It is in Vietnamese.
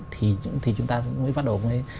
thì chúng ta mới phát đổi